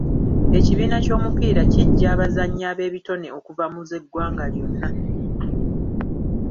Ekibiina ky'omupiira kiggya abazannyi ab'ebitone okuva mu z'eggwanga lyonna.